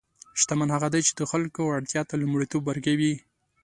شتمن هغه دی چې د خلکو اړتیا ته لومړیتوب ورکوي.